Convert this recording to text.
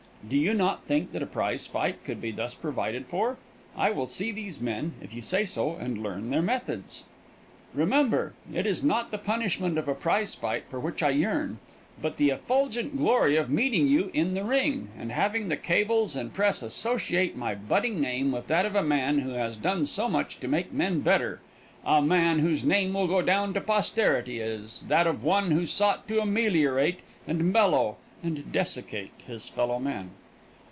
Do you not think that a prize fight could be thus provided for? I will see these men, if you say so, and learn their methods. Remember, it is not the punishment of a prize fight for which I yearn, but the effulgent glory of meeting you in the ring, and having the cables and the press associate my budding name with that of a man who has done so much to make men better a man whose name will go down to posterity as that of one who sought to ameliorate and mellow and desiccate his fellow men.